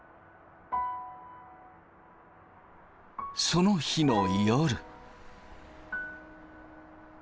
その日の夜。